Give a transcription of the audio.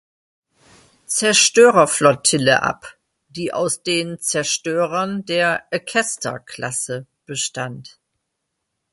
Zerstörerflottille ab, die aus den Zerstörern der Acasta-Klasse bestand.